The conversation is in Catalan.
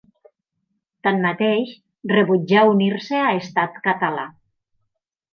Tanmateix, rebutjà unir-se a Estat Català.